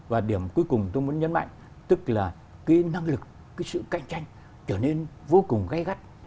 và điểm cuối cùng tôi muốn nhấn mạnh tức là cái năng lực cái sự cạnh tranh trở nên vô cùng gây gắt